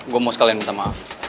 gue mau sekalian minta maaf